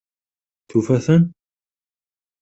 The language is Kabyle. Tufa-ten?